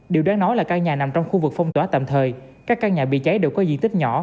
điều đáng nói là căn nhà nằm trong khu vực phong tỏa tạm thời các căn nhà bị cháy đều có diện tích nhỏ